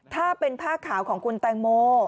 ถ้าเป็นผ้าขาวของคุณแตงโม